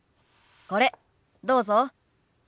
これどうぞ。